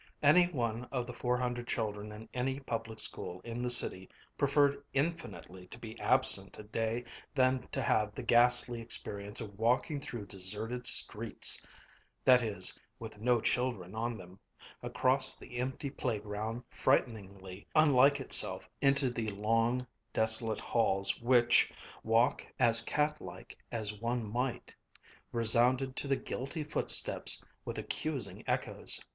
Any one of the four hundred children in any public school in the city preferred infinitely to be absent a day than to have the ghastly experience of walking through deserted streets (that is, with no children on them), across the empty playground frighteningly unlike itself, into the long, desolate halls which, walk as cat like as one might, resounded to the guilty footsteps with accusing echoes.